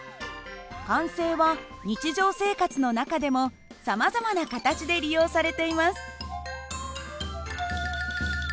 慣性は日常生活の中でもさまざまな形で利用されています。